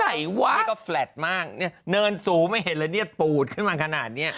ไหนวะเนินก็แฟลตมากเนินสูงไม่เห็นแล้วปูดขึ้นมาขนาดนี้